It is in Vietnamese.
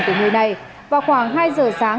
của người này vào khoảng hai giờ sáng